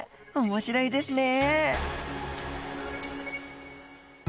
面白いですね。